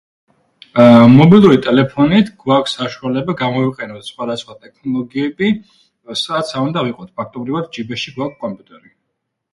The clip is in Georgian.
აა, მობილური ტელეფონით გვაქვს საშუალება გამოვიყენოთ სხვადასხვა ტექნოლოგიები სადაც არ უნდა ვიყოთ. ფაქტობრივად ჯიბეში გვაქვს კომპიუტერი.